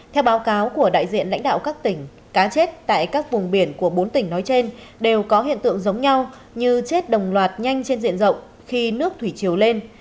theo báo cáo của đại diện lãnh đạo các tỉnh cá chết tại các vùng biển của bốn tỉnh nói trên đều có hiện tượng giống nhau như chết đồng loạt nhanh trên diện rộng khi nước thủy chiều lên